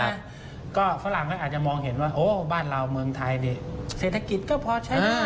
ก็ฝรั่งก็อาจจะมองเห็นว่าโอ้บ้านเราเมืองไทยนี่เศรษฐกิจก็พอใช้